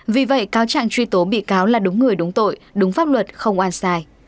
vì vậy cáo trạng truy tố bị cáo là đúng người đúng tội đúng pháp luật không an sai